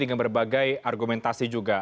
dengan berbagai argumentasi juga